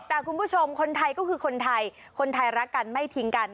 แต่คุณผู้ชมคนไทยก็คือคนไทยคนไทยรักกันไม่ทิ้งกัน